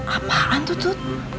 apaan tuh cuk